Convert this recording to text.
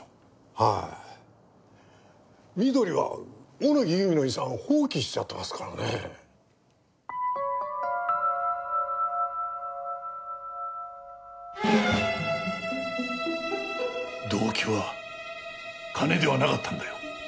はい美登里は小野木由美の遺産を放棄しちゃってますからね。動機は金ではなかったんだよ。